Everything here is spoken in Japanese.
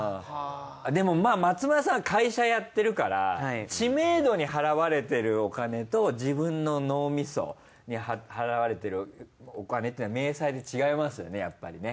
でもまあ松丸さんは会社やってるから知名度に払われてるお金と自分の脳みそに払われてるお金っていうのは明細で違いますよねやっぱりね。